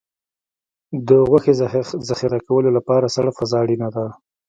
د غوښې ذخیره کولو لپاره سړه فضا اړینه ده.